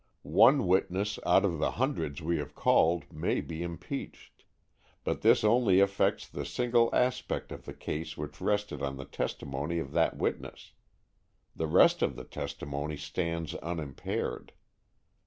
One witness out of the hundreds we have called may be impeached, but this only affects the single aspect of the case which rested on the testimony of that witness. The rest of the testimony stands unimpaired.